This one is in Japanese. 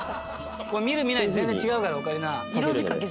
これ見る見ないで全然違うからオカリナ。